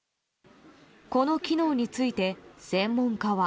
この機能について、専門家は。